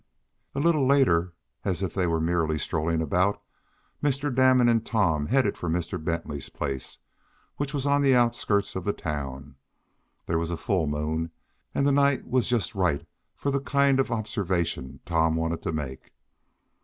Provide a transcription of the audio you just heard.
A little later, as if they were merely strolling about, Mr. Damon and Tom headed for Mr. Bentley's place, which was on the outskirts of the town. There was a full moon, and the night was just right for the kind of observation Tom wanted to make.